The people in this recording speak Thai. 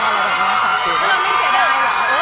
แล้วเราไม่เสียดายเหรอ